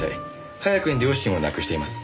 早くに両親を亡くしています。